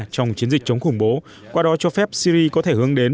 trong chiến dịch chống khủng bố qua đó cho phép syri có thể hướng đến